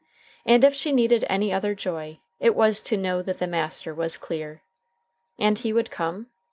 And if she needed any other joy, it was to know that the master was clear. And he would come?